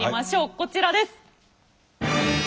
こちらです。